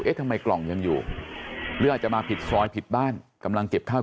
ทำไมกล่องยังอยู่หรืออาจจะมาผิดซอยผิดบ้านกำลังเก็บข้าว